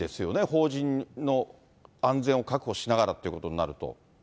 法人の安全を確保しながらということになると。